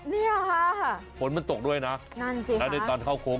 เนี่ยค่ะฝนมันตกด้วยนะนั่นสิแล้วในตอนเข้าโค้ง